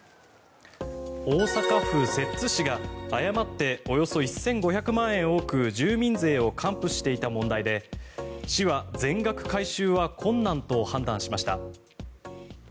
大阪府摂津市が誤っておよそ１５００万円多く住民税を還付していた問題で市は全額回収は困難と判断しました。